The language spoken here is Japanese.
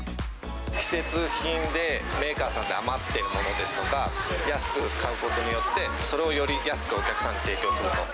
季節品でメーカーさんで余っているものですとか、安く買うことによって、それをより安くお客さんに提供する。